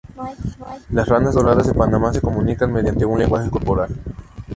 Las ranas doradas de Panamá se comunican mediante un lenguaje corporal.